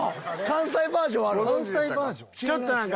関西バージョン？